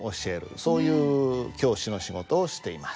そういう教師の仕事をしています。